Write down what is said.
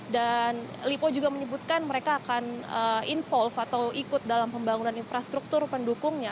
dan lipo juga menyebutkan mereka akan involve atau ikut dalam pembangunan infrastruktur pendukungnya